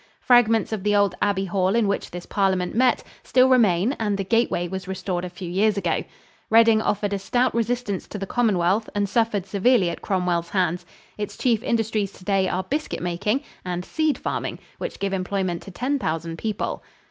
Fragments of the old abbey hall in which this parliament met still remain and the gateway was restored a few years ago. Reading offered a stout resistance to the Commonwealth and suffered severely at Cromwell's hands. Its chief industries today are biscuit making and seed farming, which give employment to ten thousand people.